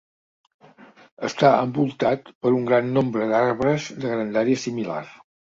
Està envoltat per un gran nombre d'arbres de grandària similar.